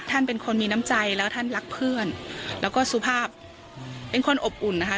ท่านเป็นคนมีน้ำใจแล้วท่านรักเพื่อนแล้วก็สุภาพเป็นคนอบอุ่นนะคะ